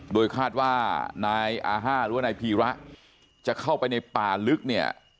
โดยคาดว่านายอาห้าหรือว่านายพีระจะเข้าไปในป่าลึกเนี่ย